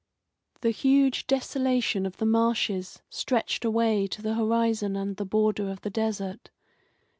The huge desolation of the marshes stretched away to the horizon and the border of the desert.